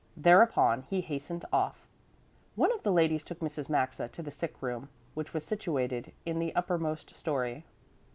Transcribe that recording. Thereupon he hastened off. One of the ladies took Mrs. Maxa to the sick room, which was situated in the uppermost story.